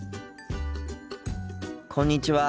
こんにちは。